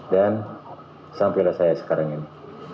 sampilah saya sekarang ini